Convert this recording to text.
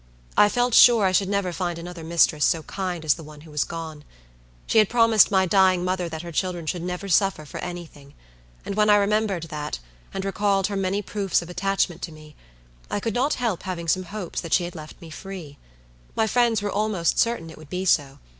I felt sure I should never find another mistress so kind as the one who was gone. She had promised my dying mother that her children should never suffer for any thing; and when I remembered that, and recalled her many proofs of attachment to me, I could not help having some hopes that she had left me free. My friends were almost certain it would be so.